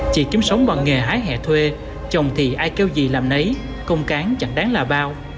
chị kiếm sống bằng nghề hái hẹ thuê chồng thì ai kêu gì làm nấy công cán chẳng đáng là bao